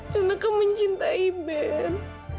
ben akan mencintai ben